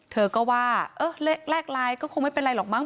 เธอก็ว่าแลกไลน์ก็คงไม่เป็นไรหรอกมั้